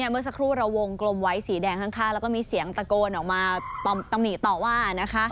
เมื่อสักครู่เราวงกลมไว้สีแดงข้างแล้วก็มีเสียงตะโกนออกมาตำหนิต่อว่า